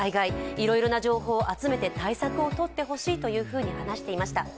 いろいろな情報を集めて対策を取ってほしいと話していました。